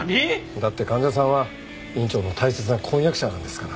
だって患者さんは院長の大切な婚約者なんですから。